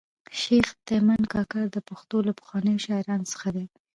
شېخ تیمن کاکړ د پښتو له پخوانیو شاعرانو څخه دﺉ.